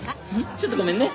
ちょっとごめんね。